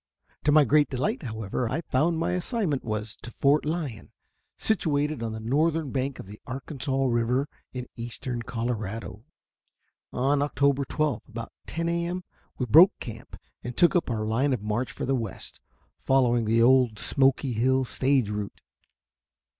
To my great delight, however, I found that my assignment was to Fort Lyon, situated on the northern bank of the Arkansas River in eastern Colorado. On October 12 about 10 A. M., we broke camp and took up our line of march for the west, following the old Smoky Hill stage route.